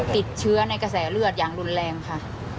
ติดเชื้อในกระแสเลือดอย่างรุนแรงค่ะ